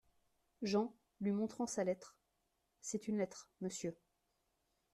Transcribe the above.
Jean, lui montrant sa lettre. — C’est une lettre, Monsieur.